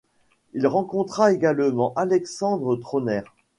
Il rencontrera également Alexandre Trauner.